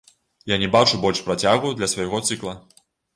Я не бачу больш працягу для свайго цыкла.